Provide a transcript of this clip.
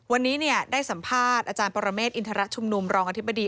วันนี้ได้สัมภาษณ์อาจารย์ปรเมฆอินทรชุมนุมรองอธิบดี